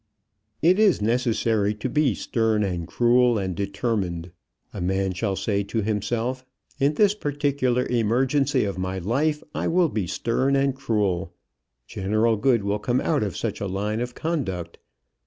It is necessary to be stern and cruel and determined, a man shall say to himself. In this particular emergency of my life I will be stern and cruel. General good will come out of such a line of conduct.